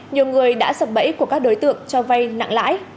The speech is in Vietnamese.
nhiều người đã sập bẫy của các đối tượng cho vay nặng lãi